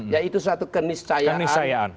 ya itu satu keniscayaan